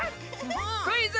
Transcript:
「クイズ！